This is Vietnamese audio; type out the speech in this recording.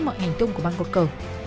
mọi hành tông của băng cột cờ